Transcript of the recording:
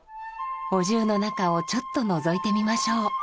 お重の中をちょっとのぞいてみましょう。